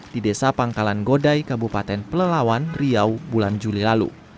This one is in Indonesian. di desa pangkalan goday kabupaten pelelawan riau bulan juli lalu